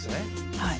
はい。